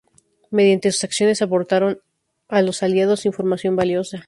Mediante sus acciones aportaron a los Aliados información valiosa.